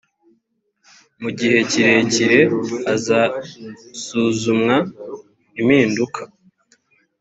mu gihe kirekire hazasuzumwa impinduka